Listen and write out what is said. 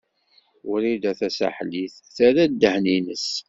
Wrida Tasaḥlit terra ddehn-nnes.